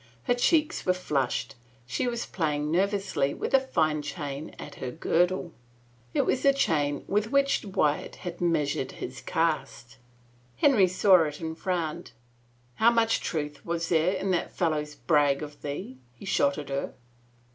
Her cheeks were flushed; she was playing nervously with a fine chain at her girdle. It was the chain with which Wyatt had measured his cast. Henry saw it and frowned. " How much truth was there in that fellow's brag of thee ?" he shot at her.